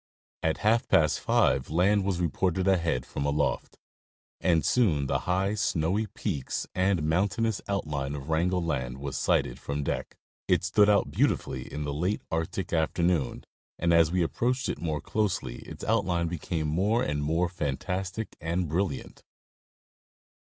At half past five land was reported ahead from aloft, and soon the high snowy peaks and. mountainous outline of Wrangel land was sighted from deck. It stood out beautifully in the late Arctic afternoon, and as we approached it more closely its outline became more and more fantastic and brilliant.